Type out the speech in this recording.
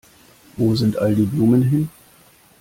Wo sind all die Blumen hin?